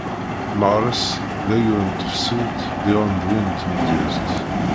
Meɣres d ayyur n tefsut diɣen d win n tmedyezt.